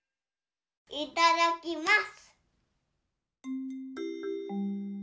いただきます。